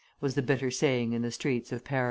was the bitter saying in the streets of Paris.